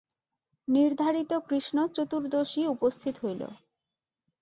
নির্ধারিত কৃষ্ণ চতুর্দশী উপস্থিত হইল।